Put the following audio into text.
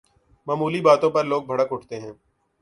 معمولی باتوں پر لوگ بھڑک اٹھتے ہیں۔